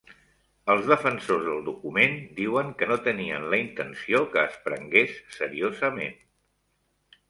Els defensors del document diuen que no tenien la intenció que es prengués seriosament.